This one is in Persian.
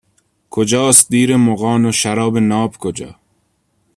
کجاست دیر مغان و شراب ناب کجا